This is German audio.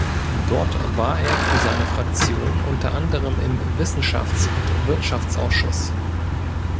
Dort war er für seine Fraktion unter anderem im Wissenschafts- und Wirtschaftsausschuss.